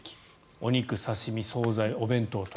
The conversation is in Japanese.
お肉、刺し身、総菜、お弁当と。